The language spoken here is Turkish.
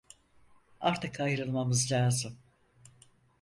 Artık ayrılmamız lazım.